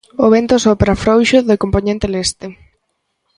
O vento sopra frouxo de compoñente leste.